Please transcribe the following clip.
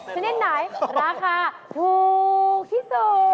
ชนิดไหนราคาถูกที่สุด